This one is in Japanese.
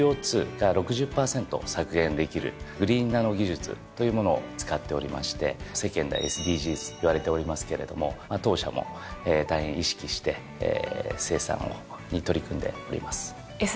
ＣＯ２が６０％削減できるグリーンナノ技術というものを使っておりまして世間ではＳＤＧｓって言われておりますけれども当社も大変意識して生産に取り組んでおります。